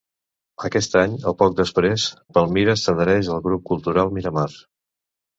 Aquest any, o poc després, Palmira s'adhereix al grup cultural Miramar.